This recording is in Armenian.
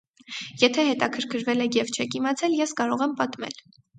Եթե հետաքրքրվել եք և չեք իմացել, ես կարող եմ պատմել: